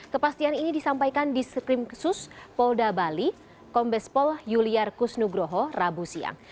kepastian ini disampaikan di skrim khusus polda bali kombes pol yuliar kusnugroho rabu siang